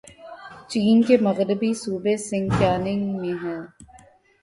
چین کے مغربی صوبے سنکیانگ میں ہے